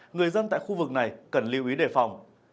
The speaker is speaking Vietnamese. người dân tại khu vực này cần lưu ý đề phòng